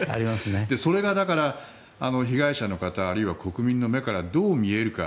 それがだから、被害者の方あるいは国民の目からどう見えるか